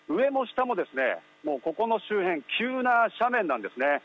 上も下もここの周辺、急な斜面なんですね。